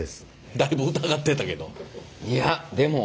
だいぶ疑ってたけど。